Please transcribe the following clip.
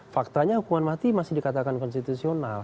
faktanya hukuman mati masih dikatakan konstitusional